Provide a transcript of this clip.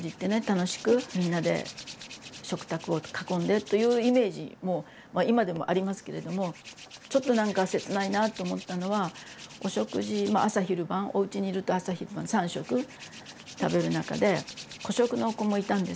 楽しくみんなで食卓を囲んでというイメージも今でもありますけれどもちょっと何か切ないなと思ったのはお食事朝昼晩おうちにいると朝昼晩三食食べる中で孤食の子もいたんです。